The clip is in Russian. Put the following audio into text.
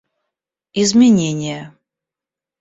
Изменения